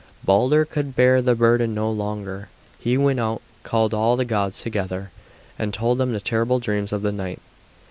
Balder could bear the burden no longer. He went out, called all the gods together, and told them the terrible dreams of the night.